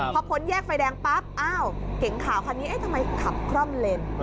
พอพ้นแยกไฟแดงปั๊บอ้าวเก๋งขาวคันนี้เอ๊ะทำไมขับคล่อมเลน